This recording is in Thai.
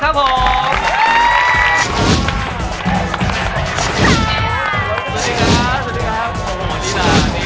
คุณใบตองคุณพิซซี่และคุณก๊อกครับผม